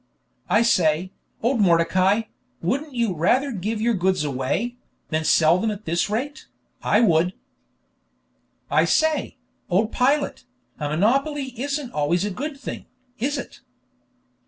"I say, old Mordecai, wouldn't you rather give your goods away, than sell them at this rate? I would." "I say, old Pilate, a monopoly isn't always a good thing, is it?"